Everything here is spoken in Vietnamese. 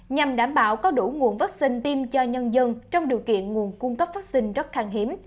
nhằm đảm bảo có đủ nguồn vaccine tiêm cho nhân dân trong điều kiện nguồn cung cấp phát sinh rất khang hiếm